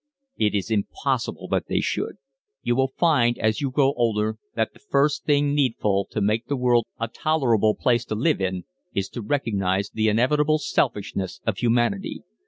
"It is impossible that they should. You will find as you grow older that the first thing needful to make the world a tolerable place to live in is to recognise the inevitable selfishness of humanity.